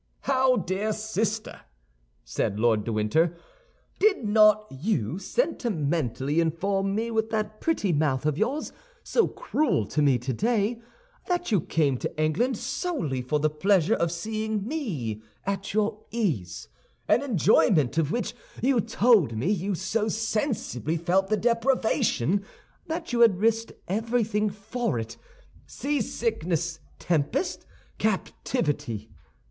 "How, dear sister!" said Lord de Winter. "Did not you sentimentally inform me with that pretty mouth of yours, so cruel to me today, that you came to England solely for the pleasure of seeing me at your ease, an enjoyment of which you told me you so sensibly felt the deprivation that you had risked everything for it—seasickness, tempest, captivity?